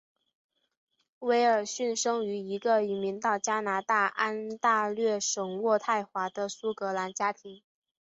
威尔逊生于一个移民到加拿大安大略省渥太华的苏格兰家庭。